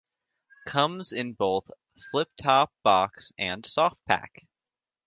Comes in both flip-top box and soft pack.